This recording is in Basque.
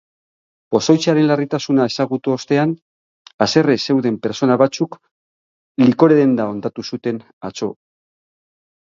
Pozoitzearen larritasuna ezagutu ostean, haserre zeuden pertsona batzuk likore-denda hondatu zuten atzo.